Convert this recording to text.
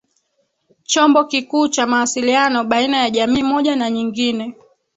Chombo kikuu cha mawasiliano baina ya jamii moja na nyingine